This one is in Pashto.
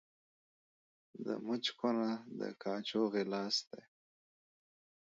د مچ کونه ، د کاچوغي لاستى.